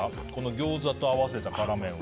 ギョーザと合わせた辛麺は。